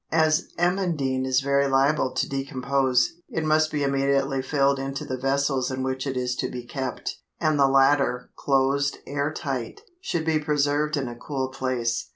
As amandine is very liable to decompose, it must be immediately filled into the vessels in which it is to be kept, and the latter, closed air tight, should be preserved in a cool place.